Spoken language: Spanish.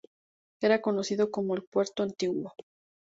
Era conocido como el puerto antiguo.